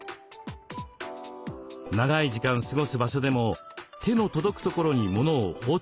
長い時間過ごす場所でも手の届くところに物を放置しがちに。